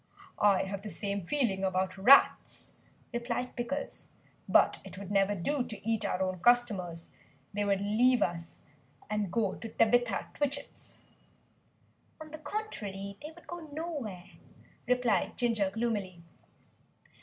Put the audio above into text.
"I have the same feeling about rats," replied Pickles, "but it would never do to eat our own customers; they would leave us and go to Tabitha Twitchit's." "On the contrary, they would go nowhere," replied Ginger gloomily.